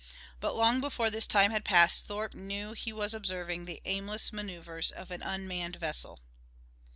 But long before this time had passed Thorpe knew he was observing the aimless maneuvers of an unmanned vessel.